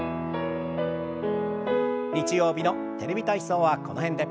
日曜日の「テレビ体操」はこの辺で。